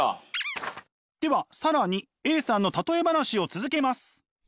では更にＡさんの例え話を続けます！